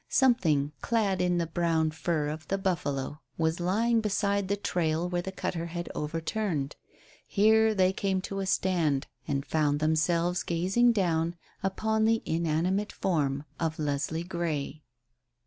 Something clad in the brown fur of the buffalo was lying beside the trail where the cutter had overturned. Here they came to a stand, and found themselves gazing down upon the inanimate form of Leslie Grey.